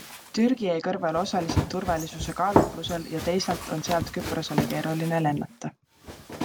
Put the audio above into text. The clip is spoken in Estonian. Türgi jäi kõrvale osaliselt turvalisuse kaalutlusel ja teisalt on sealt Küprosele keeruline lennata.